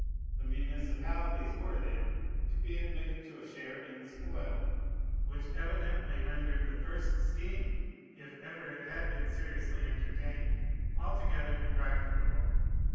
The municipalities were, then, to be admitted to a share in the spoil, which evidently rendered the first scheme (if ever it had been seriously entertained) altogether impracticable.